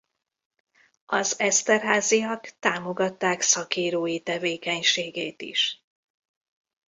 Az Esterházyak támogatták szakírói tevékenységét is.